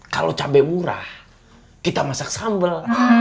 kalau cabai murah kita masak sambal